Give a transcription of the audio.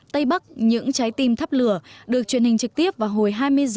tây bắc những trái tim thắp lửa được truyền hình trực tiếp vào hồi hai mươi h